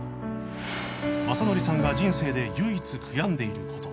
雅紀さんが人生で唯一悔やんでいる事